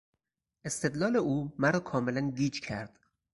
استدلال او مرا کاملا گیج کرد.